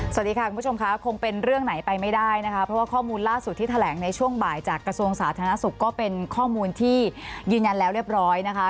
สวัสดีค่ะคุณผู้ชมค่ะคงเป็นเรื่องไหนไปไม่ได้นะคะเพราะว่าข้อมูลล่าสุดที่แถลงในช่วงบ่ายจากกระทรวงสาธารณสุขก็เป็นข้อมูลที่ยืนยันแล้วเรียบร้อยนะคะ